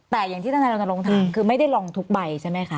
แต่อย่างที่ท่านไทยเราจะลงทางคือไม่ได้ลองทุกใบใช่ไหมคะ